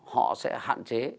họ sẽ hạn chế